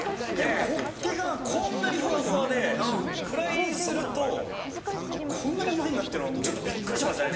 ホッケがこんなにふわふわでフライにするとこんなにうまいんだっていうのはちょっとびっくりしましたね。